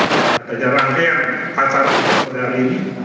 dan rakyat rakyat pasar bukla hari ini